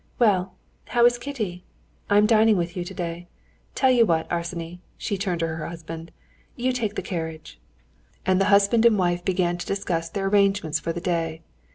"Well, how is Kitty? I am dining with you today. I tell you what, Arseny," she turned to her husband, "you take the carriage." And the husband and wife began to discuss their arrangements for the day.